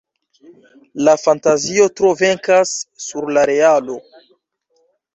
La fantazio tro venkas sur la realo.